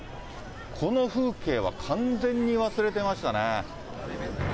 この風景は完全に忘れてましたね。